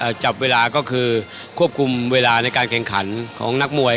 จับเวลาก็คือควบคุมเวลาในการแข่งขันของนักมวย